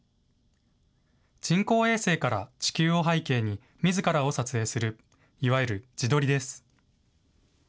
人工衛星から地球を背景にみずからを撮影する、いわゆる自撮りです。